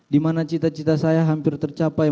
dimana cita cita saya hampir tercapai